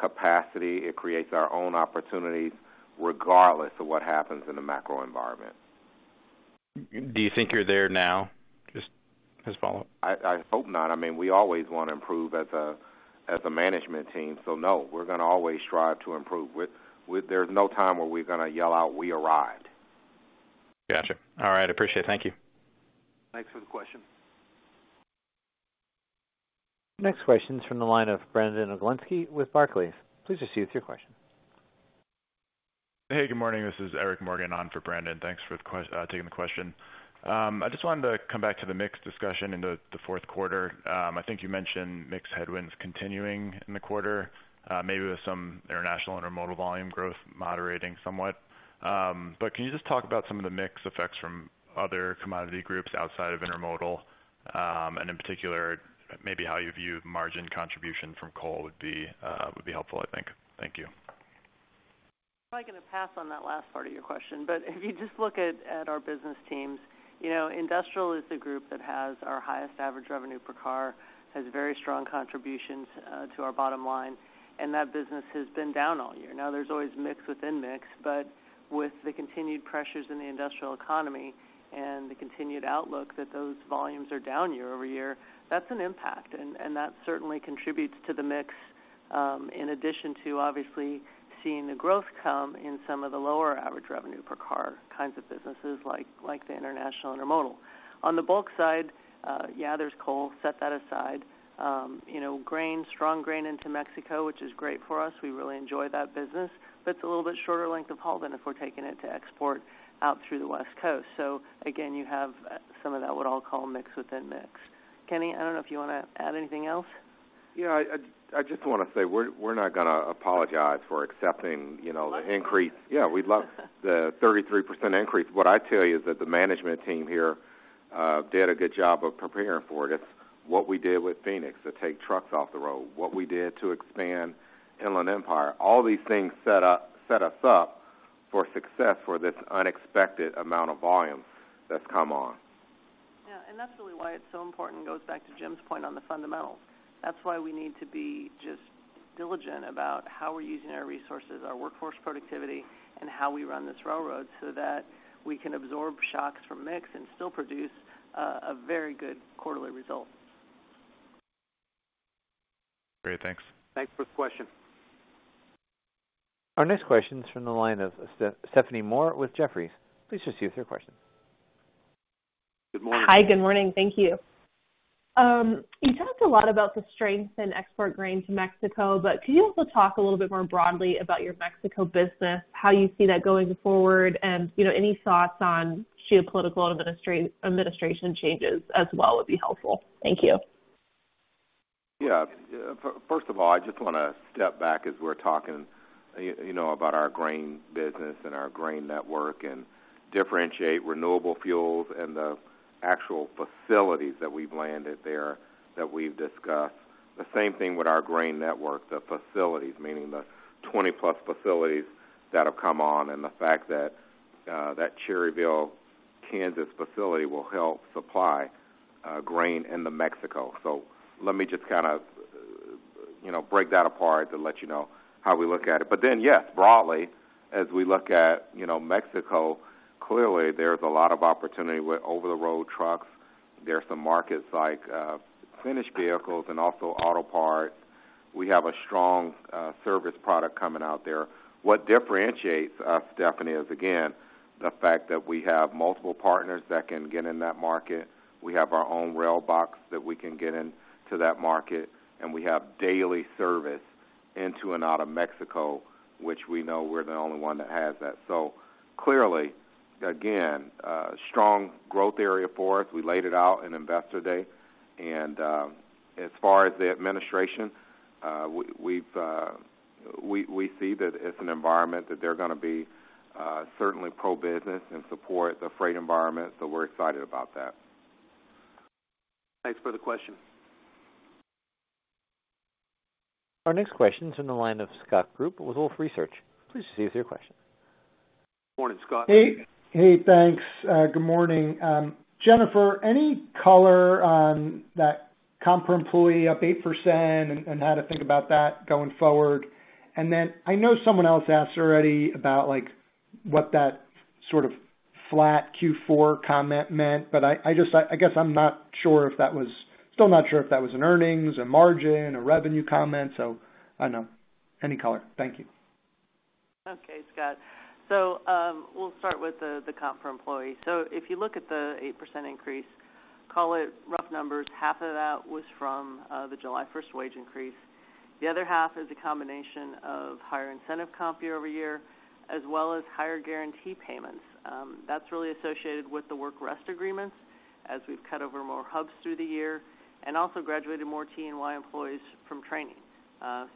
capacity, it creates our own opportunities, regardless of what happens in the macro environment. Do you think you're there now? Just as a follow-up. I hope not. I mean, we always want to improve as a management team, so no, we're going to always strive to improve. We- there's no time where we're going to yell out, "We arrived. Got you. All right, I appreciate it. Thank you. Thanks for the question. Next question is from the line of Brandon Oglenski with Barclays. Please proceed with your question. Hey, good morning. This is Eric Morgan, on for Brandon. Thanks for taking the question. I just wanted to come back to the mix discussion in Q4. I think you mentioned mix headwinds continuing in the quarter, maybe with some International Intermodal volume growth moderating somewhat, but can you just talk about some of the mix effects from other commodity groups outside of Intermodal, and in particular, maybe how you view margin contribution from coal would be helpful, I think. Thank you. I'm probably going to pass on that last part of your question, but if you just look at our business teams, you know, industrial is the group that has our highest average revenue per car, has very strong contributions to our bottom line, and that business has been down all year. Now, there's always mix within mix, but with the continued pressures in the industrial economy and the continued outlook that those volumes are down year over year, that's an impact, and that certainly contributes to the mix, in addition to obviously seeing the growth come in some of the lower average revenue per car kinds of businesses like the International Intermodal. On the bulk side, yeah, there's coal, set that aside. You know, grain, strong grain into Mexico, which is great for us. We really enjoy that business, but it's a little bit shorter length of haul than if we're taking it to export out through the West Coast. So again, you have some of that what I'll call mix within mix. Kenny, I don't know if you want to add anything else? Yeah, I just want to say we're not going to apologize for accepting, you know, the increase. We love it. Yeah, we'd love the 33% increase. What I tell you is that the management team here did a good job of preparing for it. It's what we did with Phoenix to take trucks off the road, what we did to expand Inland Empire. All these things set us up for success for this unexpected amount of volume that's come on. Yeah, and that's really why it's so important, it goes back to Jim's point on the fundamentals. That's why we need to be just diligent about how we're using our resources, our workforce productivity, and how we run this railroad, so that we can absorb shocks from mix and still produce a very good quarterly result. Great. Thanks. Thanks for the question. Our next question is from the line of Stephanie Moore with Jefferies. Please just proceed with your question. Good morning. Hi, good morning. Thank you. You talked a lot about the strength in export grain to Mexico, but can you also talk a little bit more broadly about your Mexico business, how you see that going forward? And, you know, any thoughts on geopolitical administration changes as well would be helpful. Thank you. Yeah. First of all, I just want to step back as we're talking, you know, about our grain business and our grain network and differentiate renewable fuels and the actual facilities that we've landed there, that we've discussed. The same thing with our grain network, the facilities, meaning the 20-plus facilities that have come on, and the fact that Cherryvale, Kansas facility will help supply grain into Mexico. So let me just kind of, you know, break that apart and let you know how we look at it. But then, yes, broadly, as we look at, you know, Mexico, clearly there's a lot of opportunity with over-the-road trucks. There are some markets like finished vehicles and also auto parts. We have a strong service product coming out there. What differentiates us, Stephanie, is again the fact that we have multiple partners that can get in that market. We have our own rail box that we can get into that market, and we have daily service into and out of Mexico, which we know we're the only one that has that. So clearly, again, strong growth area for us. We laid it out in Investor Day, and as far as the administration, we see that it's an environment that they're gonna be certainly pro-business and support the freight environment, so we're excited about that. Thanks for the question. Our next question is on the line of Scott Group with Wolfe Research. Please proceed with your question. Morning, Scott. Hey, hey, thanks. Good morning. Jennifer, any color on that comp per employee up 8% and how to think about that going forward? And then, I know someone else asked already about, like, what that sort of flat Q4 comment meant, but I just guess I'm not sure if that was. Still not sure if that was an earnings, a margin, a revenue comment, so I don't know. Any color. Thank you. Okay, Scott. So, we'll start with the comp per employee. So if you look at the 8% increase, call it rough numbers, half of that was from the July first wage increase. The other half is a combination of higher incentive comp year over year, as well as higher guarantee payments. That's really associated with the work rest agreements as we've cut over more hubs through the year and also graduated more T&E employees from training.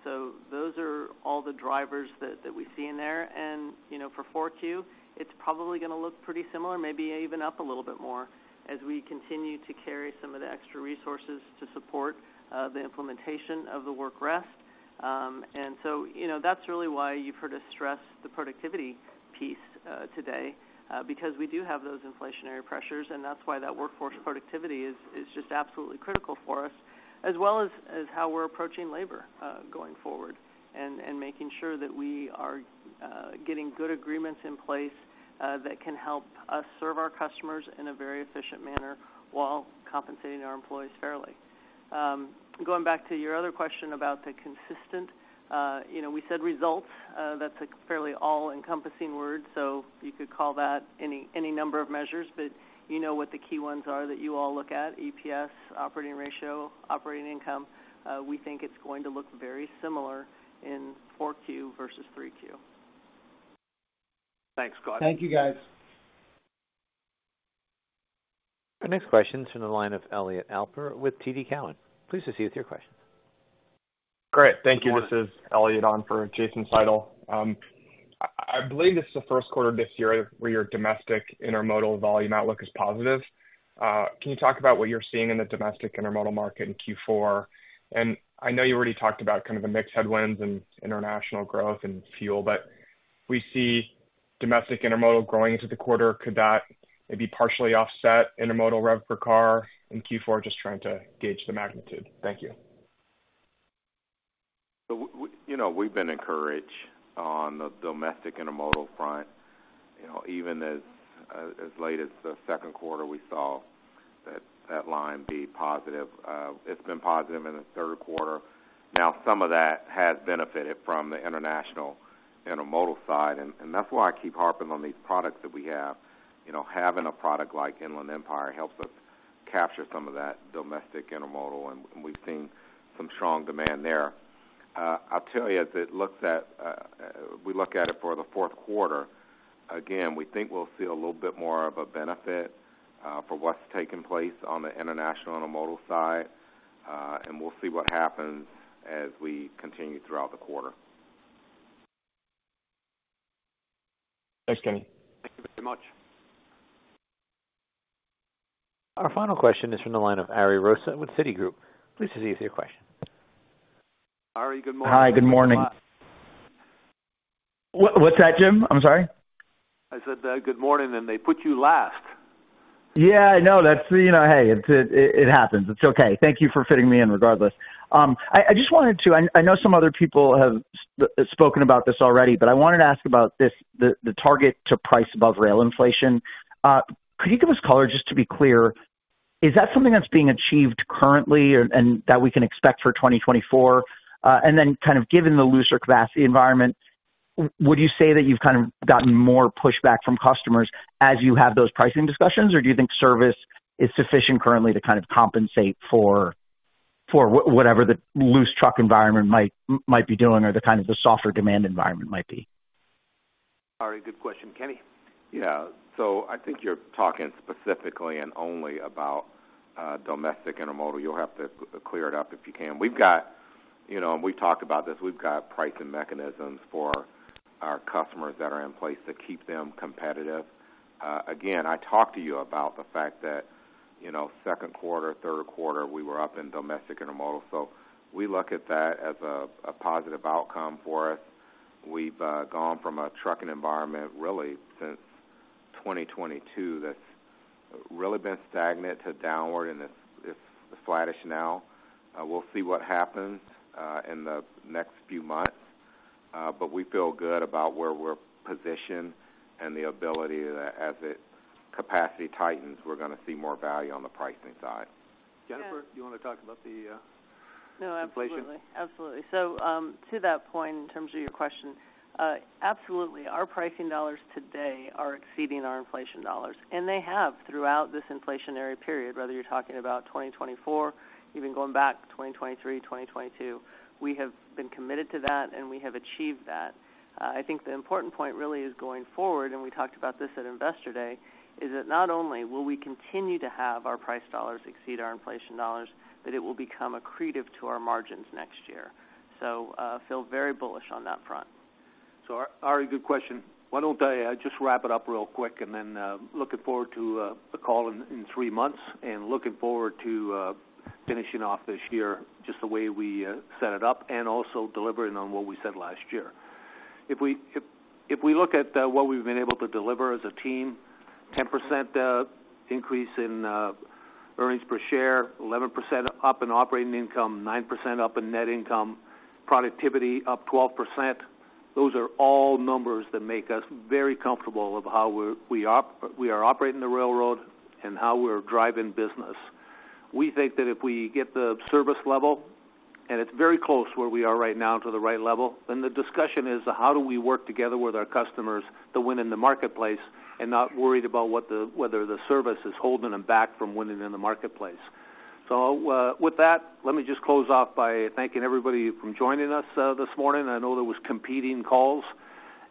So those are all the drivers that we see in there. And, you know, for 4Q, it's probably gonna look pretty similar, maybe even up a little bit more, as we continue to carry some of the extra resources to support the implementation of the work rest. And so, you know, that's really why you've heard us stress the productivity piece today because we do have those inflationary pressures, and that's why that workforce productivity is just absolutely critical for us, as well as how we're approaching labor going forward and making sure that we are getting good agreements in place that can help us serve our customers in a very efficient manner while compensating our employees fairly. Going back to your other question about the consistent, you know, we said results. That's a fairly all-encompassing word, so you could call that any number of measures, but you know what the key ones are that you all look at: EPS, operating ratio, operating income. We think it's going to look very similar in 4Q versus 3Q. Thanks, Scott. Thank you, guys. Our next question is from the line of Elliot Alper with TD Cowen. Please proceed with your question. Great. Thank you. This is Elliot on for Jason Seidl. I believe this is the first quarter this year where your domestic intermodal volume outlook is positive. Can you talk about what you're seeing in the domestic intermodal market in Q4? And I know you already talked about kind of the mixed headwinds and international growth and fuel, but we see domestic intermodal growing into the quarter. Could that maybe partially offset intermodal rev per car in Q4? Just trying to gauge the magnitude. Thank you. So we, you know, we've been encouraged on the Domestic Intermodal front. You know, even as late as the Q2, we saw that line be positive. It's been positive in the Q3. Now, some of that has benefited from the International Intermodal side, and that's why I keep harping on these products that we have. You know, having a product like Inland Empire helps us capture some of that Domestic Intermodal, and we've seen some strong demand there. I'll tell you, as we look at it for Q4, again, we think we'll see a little bit more of a benefit for what's taking place on the International Intermodal side, and we'll see what happens as we continue throughout the quarter. Thanks, Kenny. Thank you very much. Our final question is from the line of Ari Rosa with Citigroup. Please proceed with your question. Ari, good morning. Hi, good morning. What, what's that, Jim? I'm sorry. I said, good morning, and they put you last. Yeah, I know. That's, you know, hey, it, it happens. It's okay. Thank you for fitting me in regardless. I just wanted to... I know some other people have spoken about this already, but I wanted to ask about this, the target to price above rail inflation. Could you give us color, just to be clear, is that something that's being achieved currently and that we can expect for twenty twenty-four? And then kind of given the looser capacity environment, would you say that you've kind of gotten more pushback from customers as you have those pricing discussions, or do you think service is sufficient currently to kind of compensate for whatever the loose truck environment might be doing, or the kind of the softer demand environment might be? Ari, good question. Kenny? Yeah. So I think you're talking specifically and only about domestic intermodal. You'll have to clear it up if you can. We've got, you know, and we've talked about this, we've got pricing mechanisms for our customers that are in place to keep them competitive. Again, I talked to you about the fact that, you know, Q2, Q3, we were up in domestic intermodal, so we look at that as a positive outcome for us. We've gone from a trucking environment, really, since 2022, that's really been stagnant to downward, and it's flattish now. We'll see what happens in the next few months, but we feel good about where we're positioned and the ability to, as it capacity tightens, we're gonna see more value on the pricing side. Jennifer, do you want to talk about the inflation? No, absolutely. Absolutely. So, to that point, in terms of your question, absolutely, our pricing dollars today are exceeding our inflation dollars, and they have throughout this inflationary period, whether you're talking about 2024, even going back to 2023, 2022, we have been committed to that, and we have achieved that. I think the important point really is going forward, and we talked about this at Investor Day, is that not only will we continue to have our price dollars exceed our inflation dollars, that it will become accretive to our margins next year. I feel very bullish on that front. Ari, good question. Why don't I just wrap it up real quick and then looking forward to the call in three months, and looking forward to finishing off this year just the way we set it up, and also delivering on what we said last year. If we look at what we've been able to deliver as a team, 10% increase in earnings per share, 11% up in operating income, nine% up in net income, productivity up 12%, those are all numbers that make us very comfortable of how we are operating the railroad and how we're driving business. We think that if we get the service level, and it's very close where we are right now to the right level, then the discussion is, how do we work together with our customers to win in the marketplace and not worried about whether the service is holding them back from winning in the marketplace? With that, let me just close off by thanking everybody for joining us, this morning. I know there was competing calls,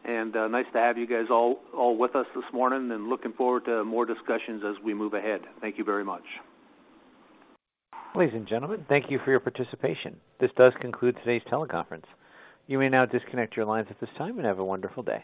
and, nice to have you guys all with us this morning, and looking forward to more discussions as we move ahead. Thank you very much. Ladies and gentlemen, thank you for your participation. This does conclude today's teleconference. You may now disconnect your lines at this time, and have a wonderful day.